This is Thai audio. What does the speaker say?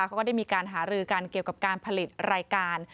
ก็ได้มีการหารือกันเกี่ยวกับการผลิตรายการ